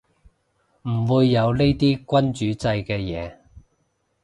唔會有呢啲君主制嘅嘢